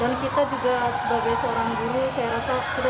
dan kita juga sebagai seorang guru saya rasa kita juga